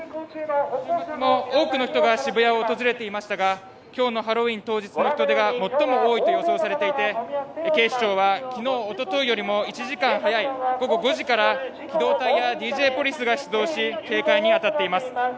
週末も多くの人出がありましたが、今日の渋谷が最も多いと予想されていて、警視庁は昨日、おとといよりも１時間早い午後５時から機動隊やＤＪポリスが出動し、警戒に当たっています。